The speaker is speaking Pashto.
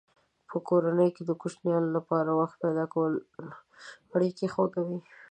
په کورنۍ کې د کوچنیانو لپاره وخت پیدا کول اړیکې خوږوي.